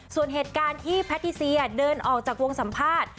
ส่วนเหตุการณ์ที่แพทิเซียเดินออกจากวงสัมภาษณ์